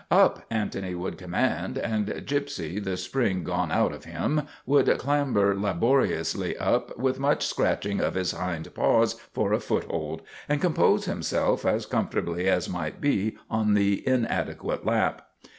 " Up," Antony would command, and Gypsy, the spring gone out of him, would clamber laboriously up, with much scratching of his hind paws for a foothold, and compose himself as comfortably as might be on the inadequate lap.